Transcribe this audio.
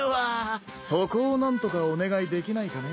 そこを何とかお願いできないかね。